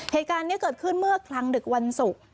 เหตุการณ์นี้เกิดขึ้นเมื่อคลังดึกวันศุกร์